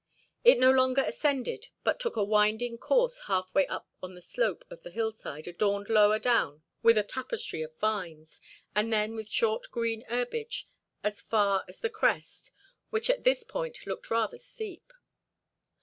It no longer ascended, but took a winding course halfway up on the slope of the hillside adorned lower down with a tapestry of vines, and then with short green herbage as far as the crest, which at this point looked rather steep.